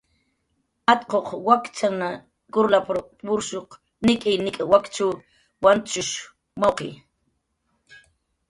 "Atquq wakchan kurralp""r purshuq nik'iy nik' wakchw wantshush mawqi"